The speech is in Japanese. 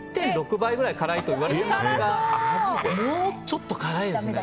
１．６倍くらい辛いといわれていますがもうちょっと辛いですね。